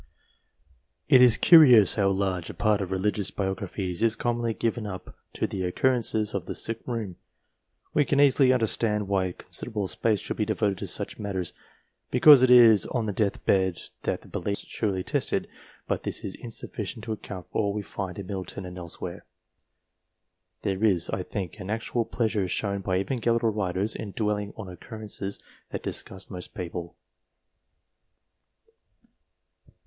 It is curious how large a part of religious biographies is commonly given up to the occurrences of the sick room. We can easily understand why considerable space should be devoted to such matters, because it is on the death bed that the believer's sincerity is most surely tested ; but this is insufficient to account for all we find in Middleton and elsewhere. There is, I think, an actual pleasure shown by S 2 260 DIVINES Evangelical writers in dwelling on occurrences that disgust most people.